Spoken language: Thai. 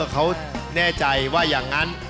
เขาแน่ใจว่าอย่างนั้น